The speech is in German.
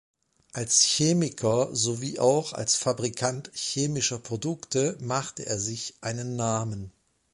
Als Chemiker sowie auch als Fabrikant chemischer Produkte machte er sich einen Namen.